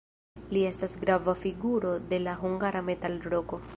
Li estas grava figuro de la hungara metalroko.